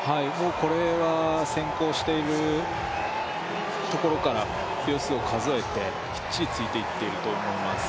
これは先行しているところから秒数を数えてきっちりついていってると思います。